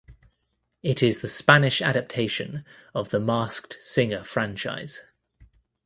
It is the Spanish adaptation of the "Masked Singer" franchise.